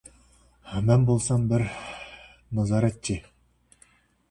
特约评论员文章